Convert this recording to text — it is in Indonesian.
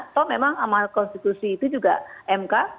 atau memang amal konstitusi itu juga m k